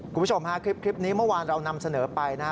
คุณผู้ชมฮะคลิปนี้เมื่อวานเรานำเสนอไปนะฮะ